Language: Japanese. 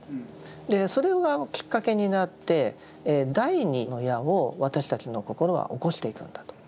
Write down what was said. それがきっかけになって第二の矢を私たちの心は起こしていくんだと。